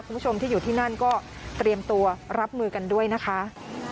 คุณผู้ชมที่อยู่ที่นั่นก็เตรียมตัวรับมือกันด้วยนะคะ